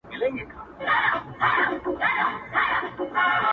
o څلور کوره، پنځه ئې ملکان.